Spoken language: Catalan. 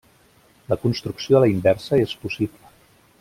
La construcció a la inversa és possible.